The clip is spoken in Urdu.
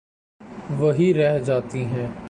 وہی رہ جاتے ہیں۔